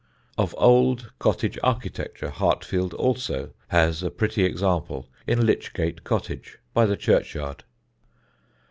Of old cottage architecture Hartfield also has a pretty example in Lych Gate Cottage, by the churchyard.